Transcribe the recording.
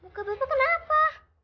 buka bapak kenapa